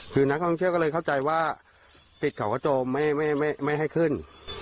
คือนักท่องเที่ยวก็เลยเข้าใจว่าปิดเขากระโจมไม่ให้ขึ้น